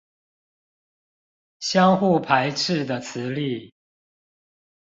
相互排斥的磁力